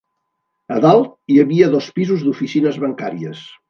A dalt hi havia dos pisos d'oficines bancàries.